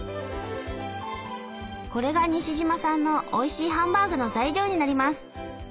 これが西島さんのおいしいハンバーグの材料になります。